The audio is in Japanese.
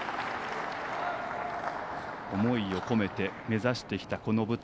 思いを込めて目指してきた、この舞台。